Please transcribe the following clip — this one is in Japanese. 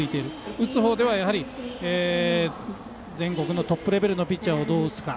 打つ方では、やはり全国のトップレベルのピッチャーをどう打つか。